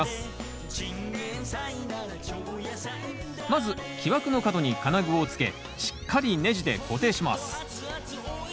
まず木枠の角に金具をつけしっかりねじで固定します。